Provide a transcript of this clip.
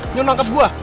nyuruh nangkep gua